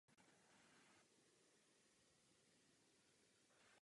Má tři sloky a při mši ji lze zpívat jen na závěr.